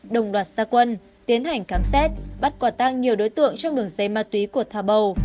đồng đoạt gia quân tiến hành cám xét bắt quả tang nhiều đối tượng trong đường dây ma túy của thảo bầu